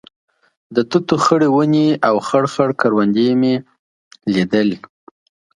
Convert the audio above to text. د توتو خړې ونې او خړ خړ کروندې مې لیدل.